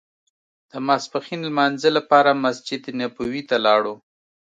د ماسپښین لمانځه لپاره مسجد نبوي ته لاړو.